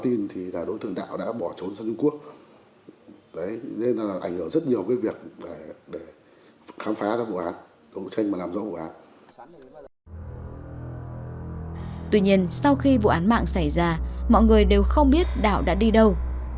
tuy nhiên sau khi vụ án mạng xảy ra mọi người đều không biết đảo đã đi đâu